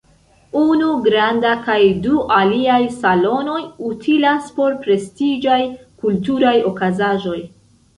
Unu granda kaj du aliaj salonoj utilas por prestiĝaj kulturaj okazaĵoj.